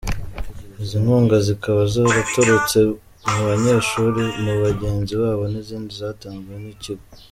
Izi nkunga zikaba zaraturutse mu banyeshuri bagenzi babo n’izindi zatanzwe n’ikigo.